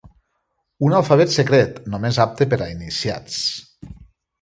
Un alfabet secret, només apte per a iniciats...